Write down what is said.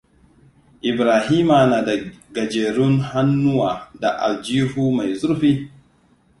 Ibrahima na da gajerun hannuwa da aljihu mai zurfi.